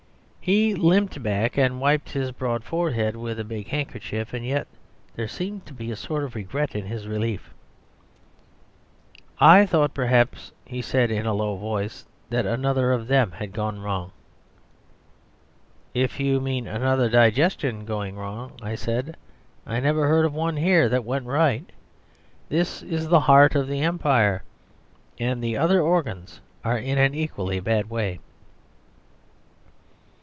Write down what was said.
He limped back and wiped his broad forehead with a big handkerchief; and yet there seemed to be a sort of regret in his relief. "I thought perhaps," he said in a low voice, "that another of them had gone wrong." "If you mean another digestion gone wrong," I said, "I never heard of one here that went right. This is the heart of the Empire, and the other organs are in an equally bad way."